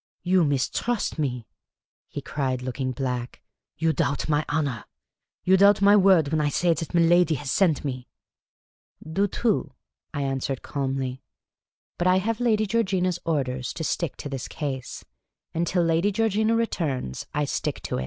"You mistrust me?" he cried, looking black. "You doubt my honour ? You doubt my word when I say that niiladi has sent me ?"" Du tout,''' I answered, calmly. " But I have Lady Georgina's orders to stick to this case ; and till Lady Georgina returns I stick to it."